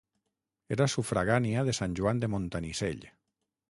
Era sufragània de Sant Joan de Montanissell.